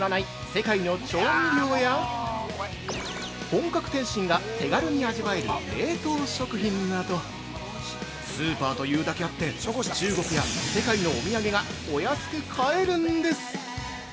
世界の調味料や、本格点心が手軽に味わえる冷凍食品など、スーパーというだけあって、中国や世界の土産物がお安く買えるんです！